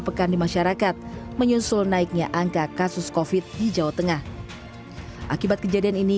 pekan di masyarakat menyusul naiknya angka kasus covid di jawa tengah akibat kejadian ini